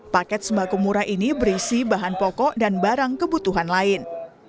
paket sembako murah ini berisi bahan pokok dan barang kebutuhan lain